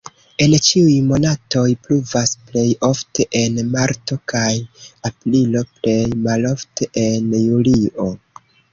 En ĉiuj monatoj pluvas, plej ofte en marto kaj aprilo, plej malofte en julio.